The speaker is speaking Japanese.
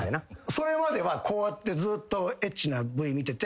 それまではこうやってずっとエッチなＶ見てて。